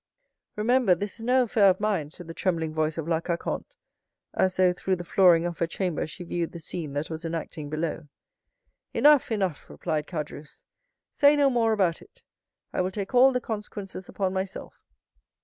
"Remember, this is no affair of mine," said the trembling voice of La Carconte, as though through the flooring of her chamber she viewed the scene that was enacting below. "Enough, enough!" replied Caderousse; "say no more about it; I will take all the consequences upon myself."